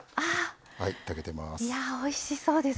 おいしそうですね。